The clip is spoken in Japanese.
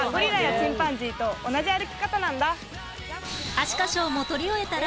アシカショーも撮り終えたら